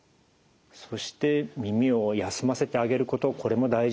そして耳を休ませてあげることこれも大事なんですね。